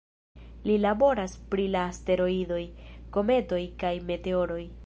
Li laboras pri la asteroidoj, kometoj kaj meteoroj.